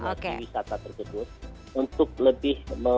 untuk lebih menggiatkan dan mengetatkan kembali